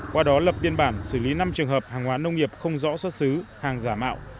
qua đó lập biên bản xử lý năm trường hợp hàng hóa nông nghiệp không rõ xuất xứ hàng giả mạo